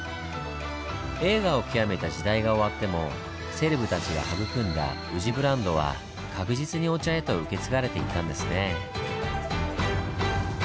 栄華を極めた時代が終わってもセレブたちが育んだ宇治ブランドは確実にお茶へと受け継がれていったんですねぇ。